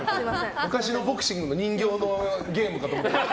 昔のボクシングの人形のゲームかと思った。